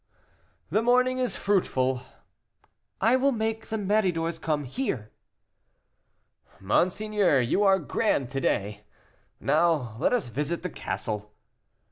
"The morning is fruitful." "I will make the Méridors come here." "Monseigneur, you are grand to day. Now let us visit the castle."